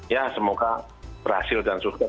ya semoga berhasil dan sukses